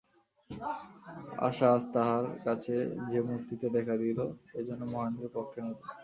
আশা আজ তাহার কাছে যে-মূর্তিতে দেখা দিল, এ যেন মহেন্দ্রের পক্ষে নূতন।